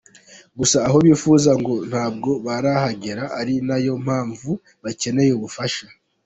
Gusa aho bifuza ngo ntabwo barahagera ari na yo mpamvu bacyeneye ubufasha